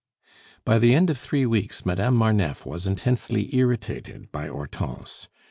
By the end of three weeks, Madame Marneffe was intensely irritated by Hortense.